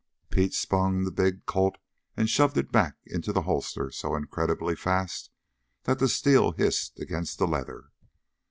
Pete spun the big Colt and shoved it back into the holster so incredibly fast that the steel hissed against the leather.